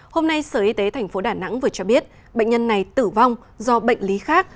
hôm nay sở y tế tp đà nẵng vừa cho biết bệnh nhân này tử vong do bệnh lý khác